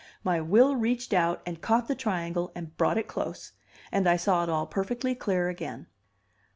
My will reached out and caught the triangle and brought it close, and I saw it all perfectly clear again.